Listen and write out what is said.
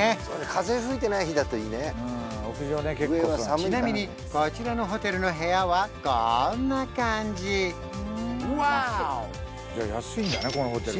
そうね風吹いてない日だといいねちなみにこちらのホテルの部屋はこんな感じワオ！